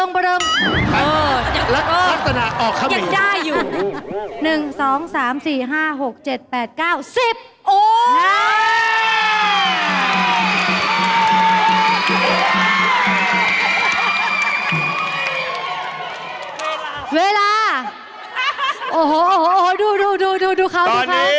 นี่๒๐แล้ว